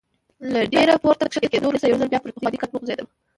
له ډېر پورته کښته کېدو وروسته یو ځل بیا پر پخواني کټ وغځېدم.